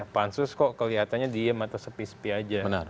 pansus kok kelihatannya diem atau sepi sepi aja